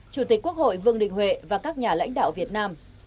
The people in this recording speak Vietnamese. chủ tịch quốc hội vương đình huệ và các nhà lãnh đạo việt nam